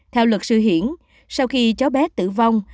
theo luật sư hiển sau khi cháu bé tử vong